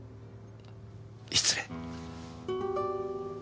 失礼。